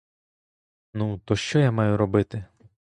Ну, то що я маю робити?